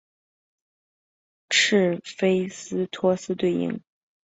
赫菲斯托斯对应。